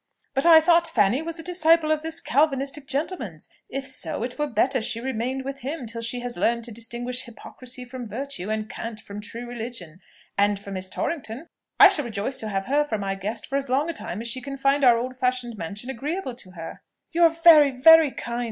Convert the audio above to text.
"But I thought Fanny was a disciple of this Calvinistic gentleman's? If so, it were better she remained with him till she has learned to distinguish hypocrisy from virtue, and cant from true religion. And for Miss Torrington, I shall rejoice to have her for my guest for as long a time as she can find our old fashioned mansion agreeable to her." "You are very, very kind!"